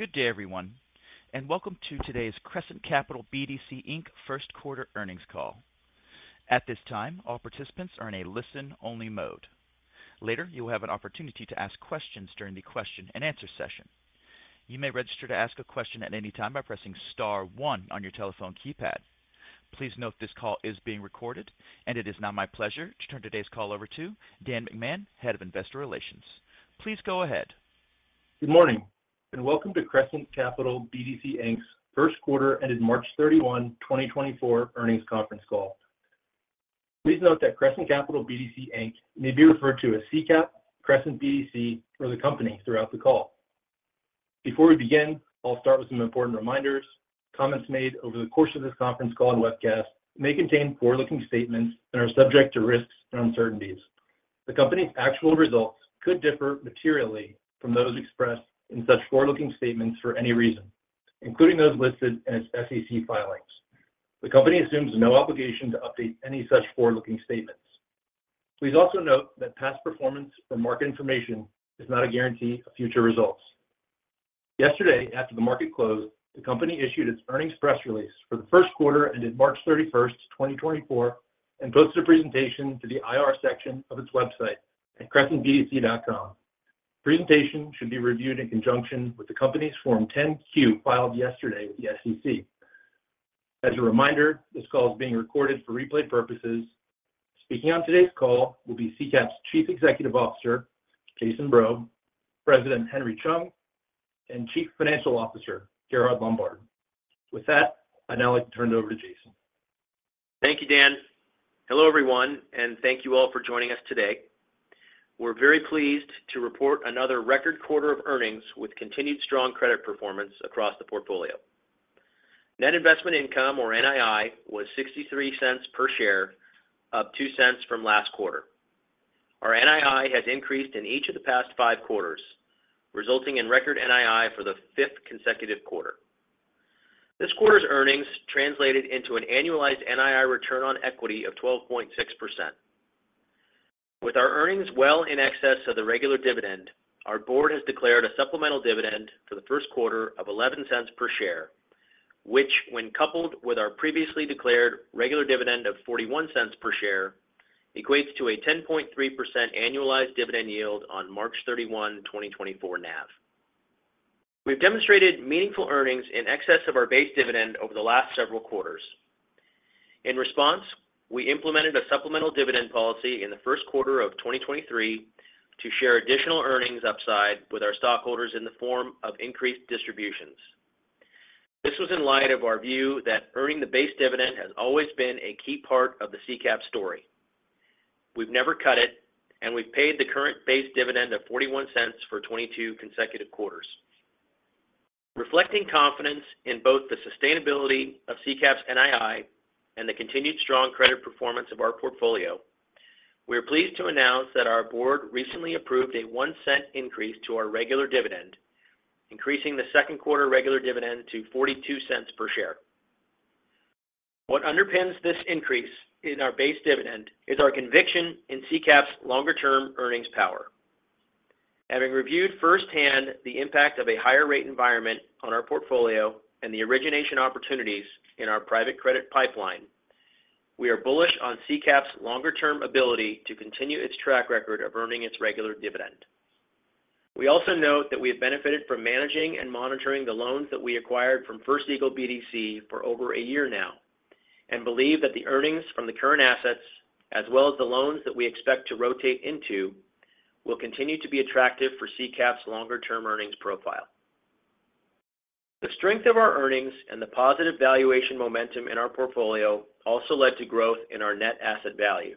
Good day, everyone, and welcome to today's Crescent Capital BDC, Inc. first quarter earnings call. At this time, all participants are in a listen-only mode. Later, you will have an opportunity to ask questions during the question-and-answer session. You may register to ask a question at any time by pressing star 1 on your telephone keypad. Please note this call is being recorded, and it is now my pleasure to turn today's call over to Dan McMahon, Head of Investor Relations. Please go ahead. Good morning and welcome to Crescent Capital BDC Inc.'s first quarter and its March 31, 2024, earnings conference call. Please note that Crescent Capital BDC Inc. may be referred to as C-Cap, Crescent BDC, or the company throughout the call. Before we begin, I'll start with some important reminders. Comments made over the course of this conference call and webcast may contain forward-looking statements and are subject to risks and uncertainties. The company's actual results could differ materially from those expressed in such forward-looking statements for any reason, including those listed in its SEC filings. The company assumes no obligation to update any such forward-looking statements. Please also note that past performance or market information is not a guarantee of future results. Yesterday, after the market closed, the company issued its earnings press release for the first quarter ended March 31, 2024, and posted a presentation to the IR section of its website at crescentbdc.com. The presentation should be reviewed in conjunction with the company's Form 10-Q filed yesterday with the SEC. As a reminder, this call is being recorded for replay purposes. Speaking on today's call will be C-Cap's Chief Executive Officer, Jason Breaux, President Henry Chung, and Chief Financial Officer, Gerhard Lombard. With that, I'd now like to turn it over to Jason. Thank you, Dan. Hello, everyone, and thank you all for joining us today. We're very pleased to report another record quarter of earnings with continued strong credit performance across the portfolio. Net investment income, or NII, was $0.63 per share, up $0.02 from last quarter. Our NII has increased in each of the past five quarters, resulting in record NII for the fifth consecutive quarter. This quarter's earnings translated into an annualized NII return on equity of 12.6%. With our earnings well in excess of the regular dividend, our board has declared a supplemental dividend for the first quarter of $0.11 per share, which, when coupled with our previously declared regular dividend of $0.41 per share, equates to a 10.3% annualized dividend yield on March 31, 2024, NAV. We've demonstrated meaningful earnings in excess of our base dividend over the last several quarters. In response, we implemented a supplemental dividend policy in the first quarter of 2023 to share additional earnings upside with our stockholders in the form of increased distributions. This was in light of our view that earning the base dividend has always been a key part of the C-Cap story. We've never cut it, and we've paid the current base dividend of $0.41 for 22 consecutive quarters. Reflecting confidence in both the sustainability of C-Cap's NII and the continued strong credit performance of our portfolio, we are pleased to announce that our board recently approved a $0.01 increase to our regular dividend, increasing the second quarter regular dividend to $0.42 per share. What underpins this increase in our base dividend is our conviction in C-Cap's longer-term earnings power. Having reviewed firsthand the impact of a higher-rate environment on our portfolio and the origination opportunities in our private credit pipeline, we are bullish on C-Cap's longer-term ability to continue its track record of earning its regular dividend. We also note that we have benefited from managing and monitoring the loans that we acquired from First Eagle BDC for over a year now and believe that the earnings from the current assets, as well as the loans that we expect to rotate into, will continue to be attractive for C-Cap's longer-term earnings profile. The strength of our earnings and the positive valuation momentum in our portfolio also led to growth in our net asset value,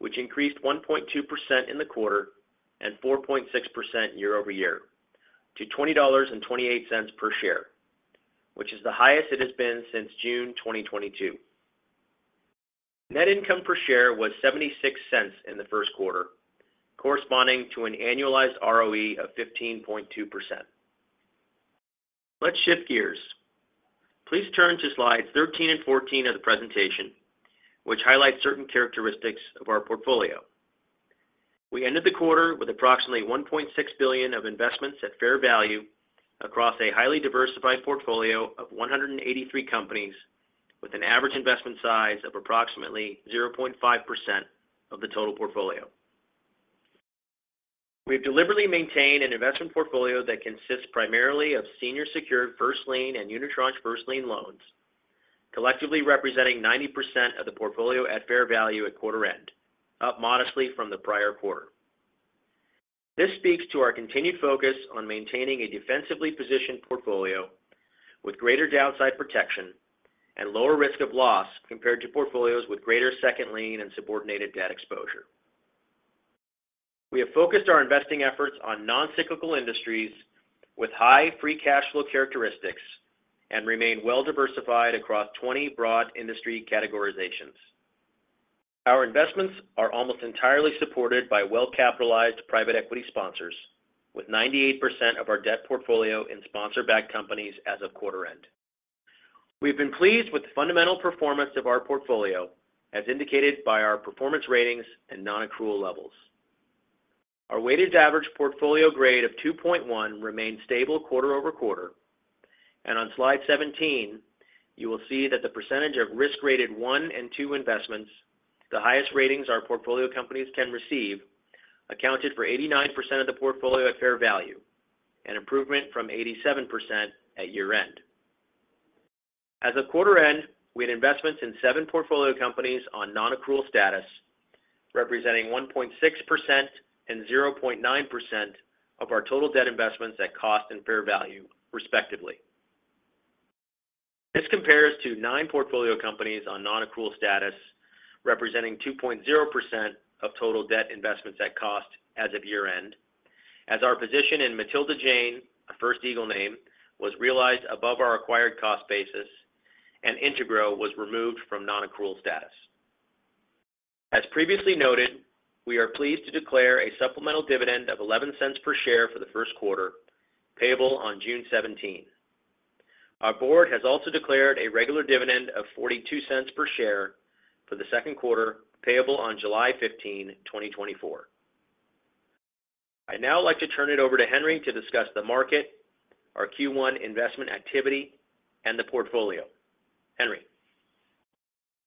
which increased 1.2% in the quarter and 4.6% year-over-year to $20.28 per share, which is the highest it has been since June 2022. Net income per share was $0.76 in the first quarter, corresponding to an annualized ROE of 15.2%. Let's shift gears. Please turn to slides 13 and 14 of the presentation, which highlight certain characteristics of our portfolio. We ended the quarter with approximately $1.6 billion of investments at fair value across a highly diversified portfolio of 183 companies, with an average investment size of approximately 0.5% of the total portfolio. We've deliberately maintained an investment portfolio that consists primarily of senior-secured first lien and unitranche first lien loans, collectively representing 90% of the portfolio at fair value at quarter end, up modestly from the prior quarter. This speaks to our continued focus on maintaining a defensively positioned portfolio with greater downside protection and lower risk of loss compared to portfolios with greater second lien and subordinated debt exposure. We have focused our investing efforts on non-cyclical industries with high free cash flow characteristics and remain well diversified across 20 broad industry categorizations. Our investments are almost entirely supported by well-capitalized private equity sponsors, with 98% of our debt portfolio in sponsor-backed companies as of quarter end. We've been pleased with the fundamental performance of our portfolio, as indicated by our performance ratings and non-accrual levels. Our weighted average portfolio grade of 2.1 remained stable quarter-over-quarter, and on slide 17, you will see that the percentage of risk-rated one and two investments, the highest ratings our portfolio companies can receive, accounted for 89% of the portfolio at fair value, an improvement from 87% at year end. As of quarter end, we had investments in seven portfolio companies on non-accrual status, representing 1.6% and 0.9% of our total debt investments at cost and fair value, respectively. This compares to nine portfolio companies on non-accrual status, representing 2.0% of total debt investments at cost as of year-end, as our position in Matilda Jane, a First Eagle name, was realized above our acquired cost basis, and Integro was removed from non-accrual status. As previously noted, we are pleased to declare a supplemental dividend of $0.11 per share for the first quarter, payable on June 17. Our board has also declared a regular dividend of $0.42 per share for the second quarter, payable on July 15, 2024. I'd now like to turn it over to Henry to discuss the market, our Q1 investment activity, and the portfolio. Henry.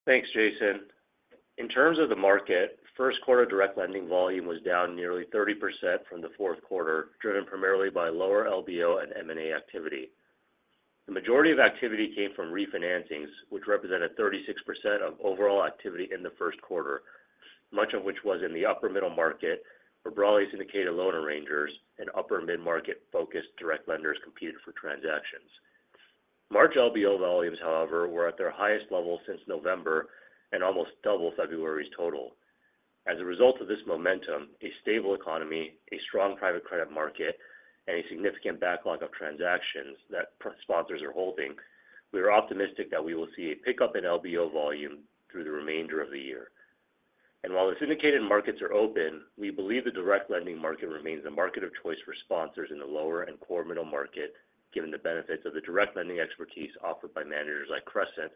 Thanks, Jason. In terms of the market, first quarter direct lending volume was down nearly 30% from the fourth quarter, driven primarily by lower LBO and M&A activity. The majority of activity came from refinancings, which represented 36% of overall activity in the first quarter, much of which was in the upper middle market where broadly syndicated loan arrangers and upper middle market focused direct lenders competed for transactions. March LBO volumes, however, were at their highest level since November and almost doubled February's total. As a result of this momentum, a stable economy, a strong private credit market, and a significant backlog of transactions that sponsors are holding, we are optimistic that we will see a pickup in LBO volume through the remainder of the year. And while this indicated markets are open, we believe the direct lending market remains the market of choice for sponsors in the lower and core middle market, given the benefits of the direct lending expertise offered by managers like Crescent,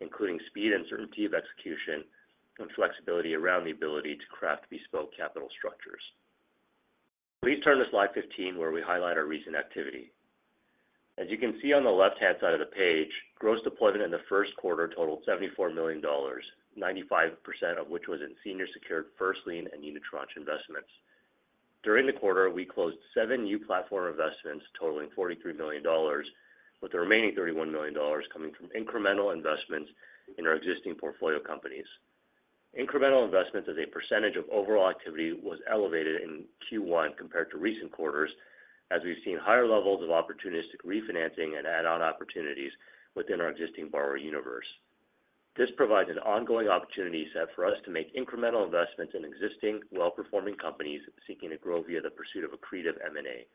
including speed and certainty of execution and flexibility around the ability to craft bespoke capital structures. Please turn to slide 15, where we highlight our recent activity. As you can see on the left-hand side of the page, gross deployment in the first quarter totaled $74 million, 95% of which was in senior-secured First Lien and Unitranche investments. During the quarter, we closed seven new platform investments totaling $43 million, with the remaining $31 million coming from incremental investments in our existing portfolio companies. Incremental investments as a percentage of overall activity was elevated in Q1 compared to recent quarters, as we've seen higher levels of opportunistic refinancing and add-on opportunities within our existing borrower universe. This provides an ongoing opportunity set for us to make incremental investments in existing, well-performing companies seeking to grow via the pursuit of accretive M&A.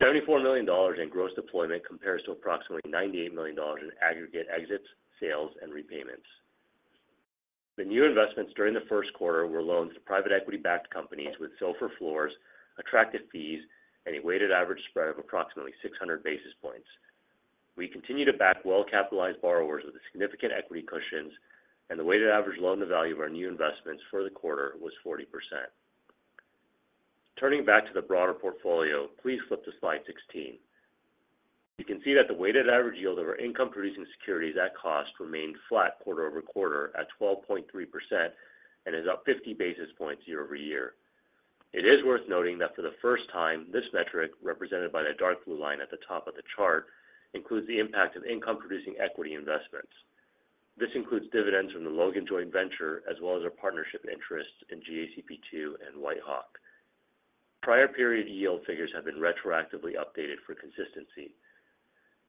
$74 million in gross deployment compares to approximately $98 million in aggregate exits, sales, and repayments. The new investments during the first quarter were loans to private equity-backed companies with SOFR floors, attractive fees, and a weighted average spread of approximately 600 basis points. We continue to back well-capitalized borrowers with significant equity cushions, and the weighted average loan to value of our new investments for the quarter was 40%. Turning back to the broader portfolio, please flip to slide 16. You can see that the weighted average yield of our income-producing securities at cost remained flat quarter-over-quarter at 12.3% and is up 50 basis points year-over-year. It is worth noting that for the first time, this metric, represented by the dark blue line at the top of the chart, includes the impact of income-producing equity investments. This includes dividends from the Logan Joint Venture as well as our partnership interests in GACP II and WhiteHawk. Prior period yield figures have been retroactively updated for consistency.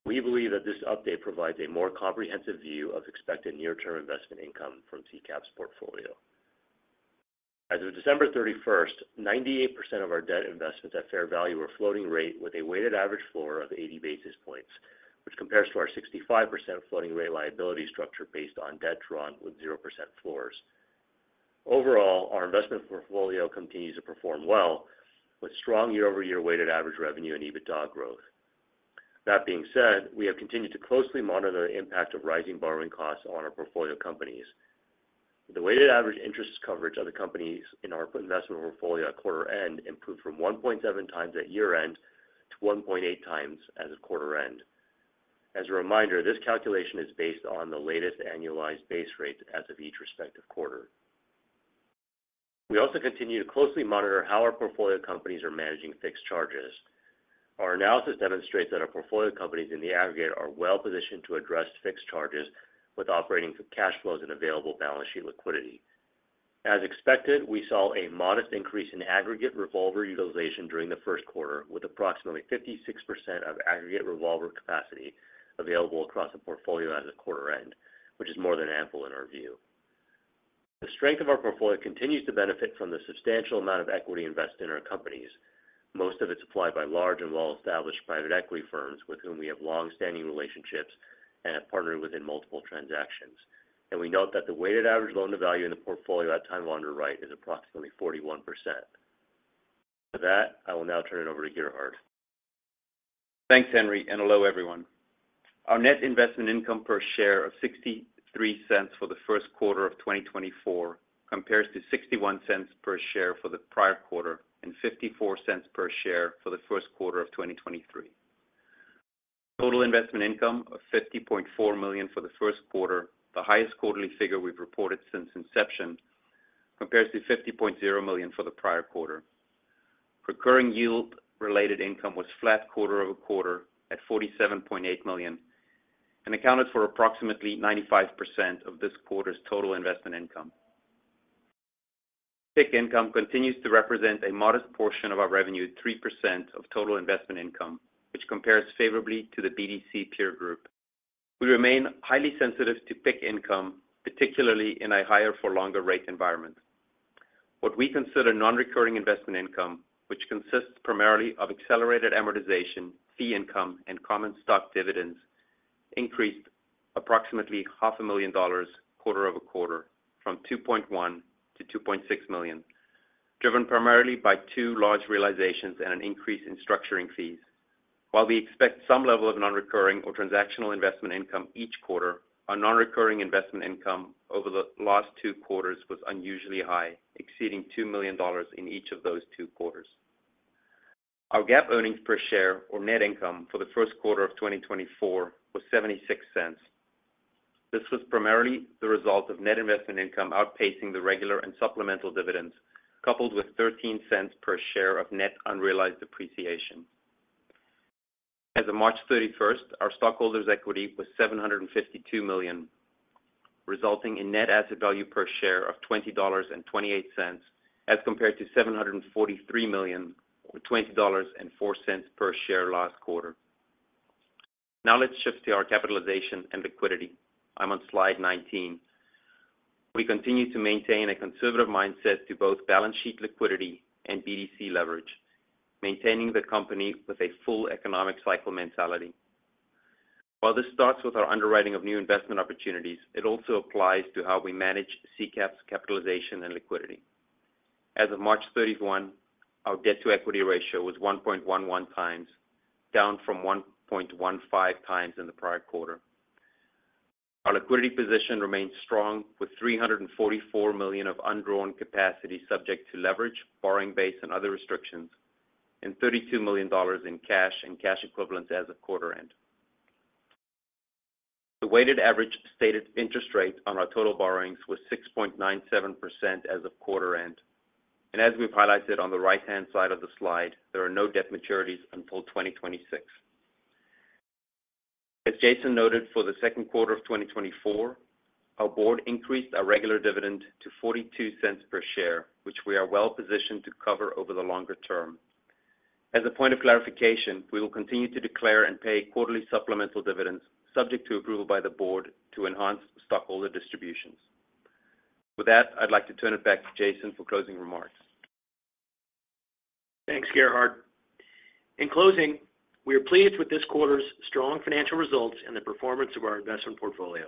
We believe that this update provides a more comprehensive view of expected near-term investment income from C-Cap's portfolio. As of December 31st, 98% of our debt investments at fair value were floating rate with a weighted average floor of 80 basis points, which compares to our 65% floating rate liability structure based on debt drawn with 0% floors. Overall, our investment portfolio continues to perform well, with strong year-over-year weighted average revenue and EBITDA growth. That being said, we have continued to closely monitor the impact of rising borrowing costs on our portfolio companies. The weighted average interest coverage of the companies in our investment portfolio at quarter end improved from 1.7 times at year end to 1.8 times as of quarter end. As a reminder, this calculation is based on the latest annualized base rate as of each respective quarter. We also continue to closely monitor how our portfolio companies are managing fixed charges. Our analysis demonstrates that our portfolio companies in the aggregate are well positioned to address fixed charges with operating cash flows and available balance sheet liquidity. As expected, we saw a modest increase in aggregate revolver utilization during the first quarter, with approximately 56% of aggregate revolver capacity available across the portfolio as of quarter end, which is more than ample in our view. The strength of our portfolio continues to benefit from the substantial amount of equity invested in our companies. Most of it's applied by large and well-established private equity firms with whom we have longstanding relationships and have partnered with in multiple transactions. And we note that the weighted average loan to value in the portfolio at time of underwriting is approximately 41%. With that, I will now turn it over to Gerhard. Thanks, Henry, and hello everyone. Our net investment income per share of $0.63 for the first quarter of 2024 compares to $0.61 per share for the prior quarter and $0.54 per share for the first quarter of 2023. Total investment income of $50.4 million for the first quarter, the highest quarterly figure we've reported since inception, compares to $50.0 million for the prior quarter. Recurring yield-related income was flat quarter-over-quarter at $47.8 million and accounted for approximately 95% of this quarter's total investment income. PIK income continues to represent a modest portion of our revenue, 3% of total investment income, which compares favorably to the BDC peer group. We remain highly sensitive to PIK income, particularly in a higher-for-longer rate environment. What we consider non-recurring investment income, which consists primarily of accelerated amortization, fee income, and common stock dividends, increased approximately $500,000 quarter-over-quarter from $2.1 million-$2.6 million, driven primarily by two large realizations and an increase in structuring fees. While we expect some level of non-recurring or transactional investment income each quarter, our non-recurring investment income over the last two quarters was unusually high, exceeding $2 million in each of those two quarters. Our GAAP earnings per share, or net income, for the first quarter of 2024 was $0.76. This was primarily the result of net investment income outpacing the regular and supplemental dividends, coupled with $0.13 per share of net unrealized depreciation. As of March 31st, our stockholders' equity was $752 million, resulting in net asset value per share of $20.28 as compared to $743 million or $20.04 per share last quarter. Now let's shift to our capitalization and liquidity. I'm on slide 19. We continue to maintain a conservative mindset to both balance sheet liquidity and BDC leverage, maintaining the company with a full economic cycle mentality. While this starts with our underwriting of new investment opportunities, it also applies to how we manage C-Cap's capitalization and liquidity. As of March 31, our debt-to-equity ratio was 1.11 times, down from 1.15 times in the prior quarter. Our liquidity position remains strong, with $344 million of undrawn capacity subject to leverage, borrowing base, and other restrictions, and $32 million in cash and cash equivalents as of quarter end. The weighted average stated interest rate on our total borrowings was 6.97% as of quarter end. As we've highlighted on the right-hand side of the slide, there are no debt maturities until 2026. As Jason noted, for the second quarter of 2024, our board increased our regular dividend to $0.42 per share, which we are well positioned to cover over the longer term. As a point of clarification, we will continue to declare and pay quarterly supplemental dividends subject to approval by the board to enhance stockholder distributions. With that, I'd like to turn it back to Jason for closing remarks. Thanks, Gerhard. In closing, we are pleased with this quarter's strong financial results and the performance of our investment portfolio.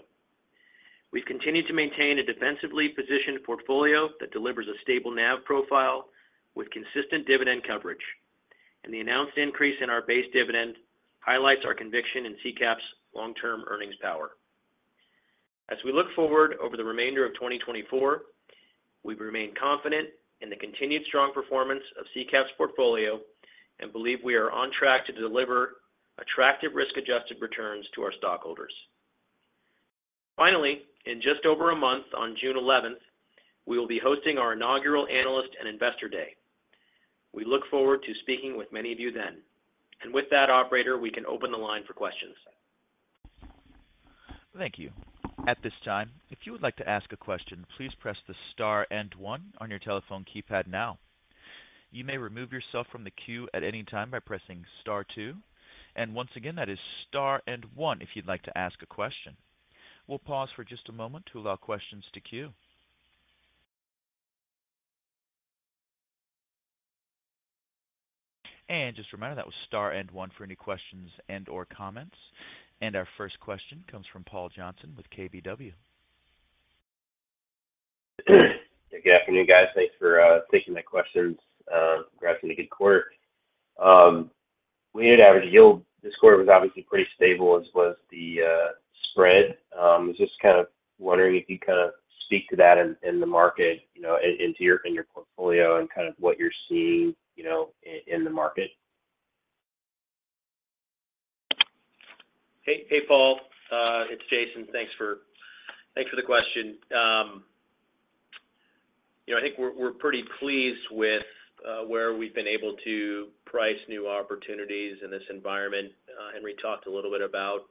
We've continued to maintain a defensively positioned portfolio that delivers a stable NAV profile with consistent dividend coverage, and the announced increase in our base dividend highlights our conviction in C-Cap's long-term earnings power. As we look forward over the remainder of 2024, we remain confident in the continued strong performance of C-Cap's portfolio and believe we are on track to deliver attractive risk-adjusted returns to our stockholders. Finally, in just over a month, on June 11th, we will be hosting our inaugural Analyst and Investor Day. We look forward to speaking with many of you then. With that, operator, we can open the line for questions. Thank you. At this time, if you would like to ask a question, please press the star and one on your telephone keypad now. You may remove yourself from the queue at any time by pressing star two. Once again, that is star and one if you'd like to ask a question. We'll pause for just a moment to allow questions to queue. Just a reminder, that was star and one for any questions and/or comments. Our first question comes from Paul Johnson with KBW. Good afternoon, guys. Thanks for taking my questions. Congrats on a good quarter. Weighted average yield this quarter was obviously pretty stable as was the spread. I was just kind of wondering if you'd kind of speak to that in the market, you know, into your portfolio and kind of what you're seeing, you know, in the market. Hey, hey, Paul. It's Jason. Thanks for the question. You know, I think we're pretty pleased with where we've been able to price new opportunities in this environment. Henry talked a little bit about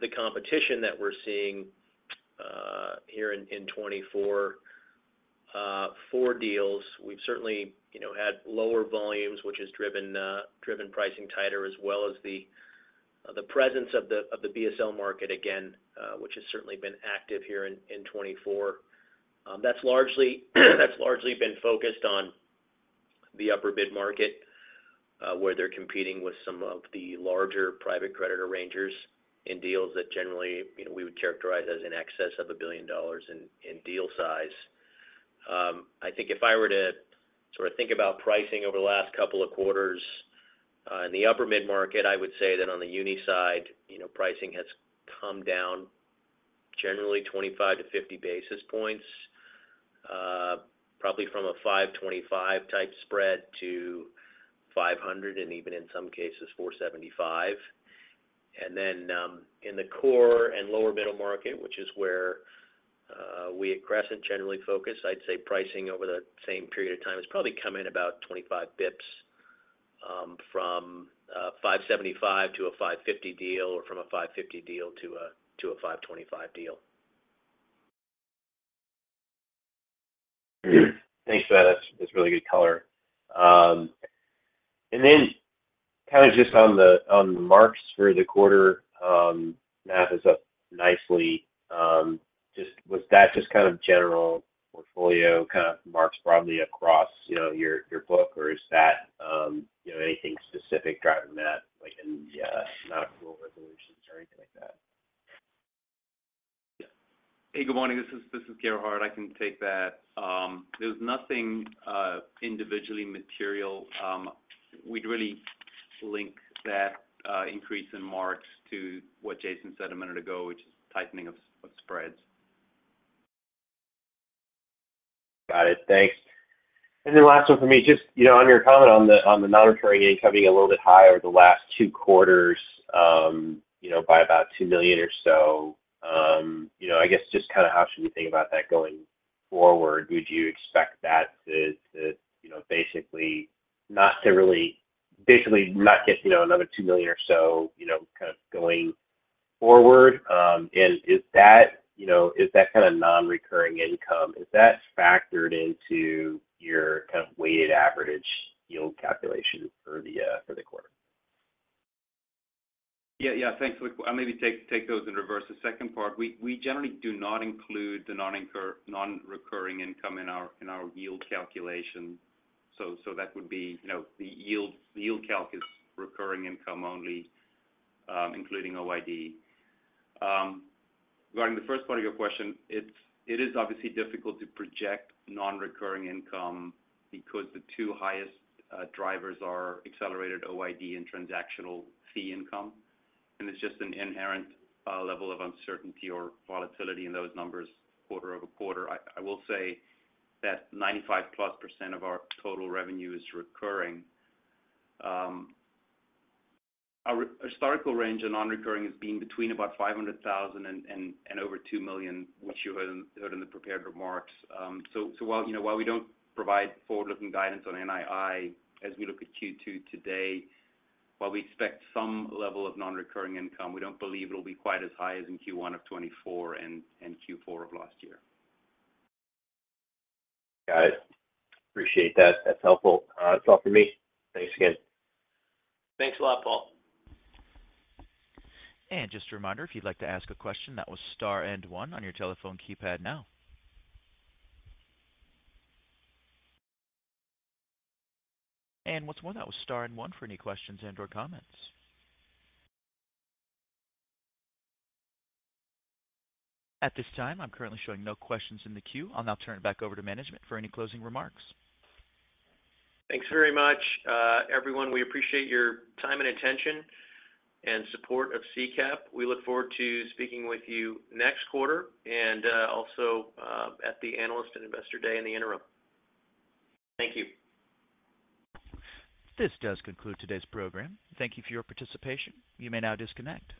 the competition that we're seeing here in 2024 for deals. We've certainly, you know, had lower volumes, which has driven pricing tighter, as well as the presence of the BSL market again, which has certainly been active here in 2024. That's largely been focused on the upper mid-market, where they're competing with some of the larger private credit arrangers in deals that generally, you know, we would characterize as in excess of $1 billion in deal size. I think if I were to sort of think about pricing over the last couple of quarters, in the upper mid-market, I would say that on the uni side, you know, pricing has come down generally 25-50 basis points, probably from a 525-type spread to 500 and even in some cases 475. And then, in the core and lower middle market, which is where, we at Crescent generally focus, I'd say pricing over the same period of time has probably come in about 25 bips, from a 575-550 deal or from a 550 deal to a 525 deal. Thanks for that. That's really good color. And then, kind of just on the marks for the quarter, NAV is up nicely. Just, was that just kind of general portfolio kind of marks broadly across, you know, your book, or is that, you know, anything specific driving that, like, in the non-accrual resolutions or anything like that? Hey, good morning. This is Gerhard. I can take that. There's nothing individually material. We'd really link that increase in marks to what Jason said a minute ago, which is tightening of spreads. Got it. Thanks. And then last one for me, just, you know, on your comment on the non-recurring income being a little bit higher the last two quarters, you know, by about $2 million or so, you know, I guess just kind of how should we think about that going forward? Would you expect that to, you know, basically not to really basically not get, you know, another $2 million or so, you know, kind of going forward? And is that, you know, is that kind of non-recurring income factored into your kind of weighted average yield calculation for the quarter? Yeah. Thanks. I'll maybe take those in reverse. The second part, we generally do not include the non-recurring income in our yield calculation. So that would be, you know, the yield calc is recurring income only, including OID. Regarding the first part of your question, it is obviously difficult to project non-recurring income because the two highest drivers are accelerated OID and transactional fee income. And it's just an inherent level of uncertainty or volatility in those numbers quarter-over-quarter. I will say that 95+% of our total revenue is recurring. Our historical range in non-recurring has been between about $500,000 and over $2 million, which you heard in the prepared remarks. So while, you know, while we don't provide forward-looking guidance on NII as we look at Q2 today, while we expect some level of non-recurring income, we don't believe it'll be quite as high as in Q1 of 2024 and Q4 of last year. Got it. Appreciate that. That's helpful. That's all from me. Thanks again. Thanks a lot, Paul. Just a reminder, if you'd like to ask a question, that was star and one on your telephone keypad now. Once more, that was star and one for any questions and/or comments. At this time, I'm currently showing no questions in the queue. I'll now turn it back over to management for any closing remarks. Thanks very much, everyone. We appreciate your time and attention and support of C-Cap. We look forward to speaking with you next quarter and, also, at the Analyst and Investor Day in the interim. Thank you. This does conclude today's program. Thank you for your participation. You may now disconnect.